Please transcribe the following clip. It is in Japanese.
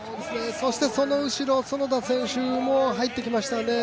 そしてその後ろ、園田選手も入ってきましたね。